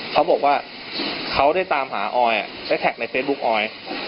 เขาบอกว่าเขาได้ตามหาออยได้แท็กในเฟซบุ๊คออย